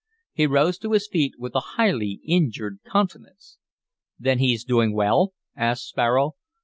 He rose to his feet with a highly injured countenance. "Then he's doing well?" asked Sparrow.